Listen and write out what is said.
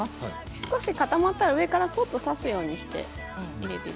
少し固まったら上からそっと挿すようにして。